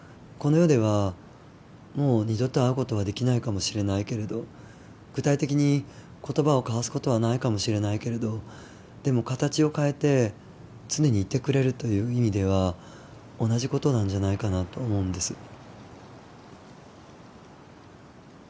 この世ではもう二度と会う事はできないかもしれないけれど具体的に言葉を交わす事はないかもしれないけれどでも形を変えて常にいてくれるという意味では同じ事なんじゃないかなと思うんです。